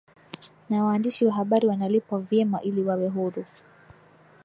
na waandishi wa Habari wanalipwa vyema ili wawe huru